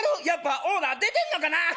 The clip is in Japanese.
やっぱオーラ出てんのかな